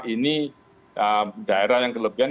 ini daerah yang kelebihan